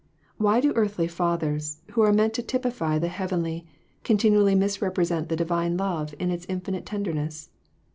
Why do earthly fathers, who were meant to typify the heavenly, continually misrepresent the divine love in its infinite tenderness